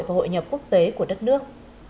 và hội nhập quốc tế của đất nước